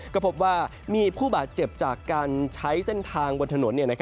ก็พบว่ามีผู้บาดเจ็บจากการใช้เส้นทางบนถนน